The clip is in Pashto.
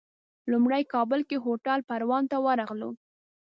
لومړی کابل کې هوټل پروان ته ورغلو.